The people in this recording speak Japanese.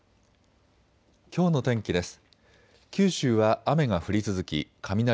きょうの天気です。